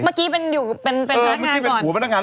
เมื่อกี้เป็นทางน้างก่อน